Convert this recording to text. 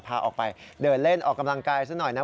พาออกไปเดินเล่นออกกำลังกายซะหน่อยนะ